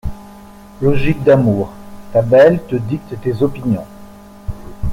Logique d'amour: ta belle te dicte tes opinions.